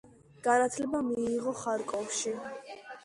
განათლება მიიღო ხარკოვში.